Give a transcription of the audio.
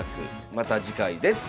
また次回です。